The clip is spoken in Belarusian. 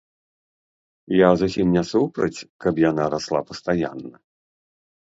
Я зусім не супраць, каб яна расла пастаянна.